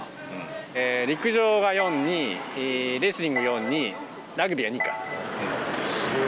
陸上が４に、レスリング４に、ラグビーは２か。